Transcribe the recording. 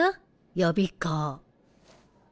予備校。